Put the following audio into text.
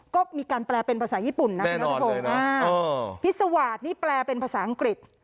ก็มีการแปลเป็นภาษาญี่ปุ่นนะแน่นอนเลยนะอ่าภิษวาสนี่แปลเป็นภาษาอังกฤษ